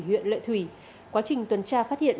huyện lợi thủy quá trình tuần tra phát hiện